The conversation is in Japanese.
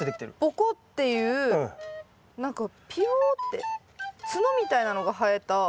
ぼこっていう何かぴよってツノみたいなのが生えた。